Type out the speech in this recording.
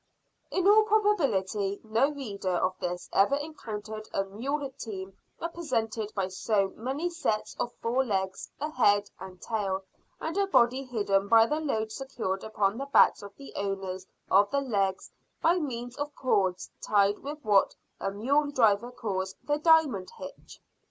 In all probability no reader of this ever encountered a mule team represented by so many sets of four legs, a head, and tail, and a body hidden by the load secured upon the backs of the owners of the legs by means of cords tied with what a mule driver calls the diamond hitch.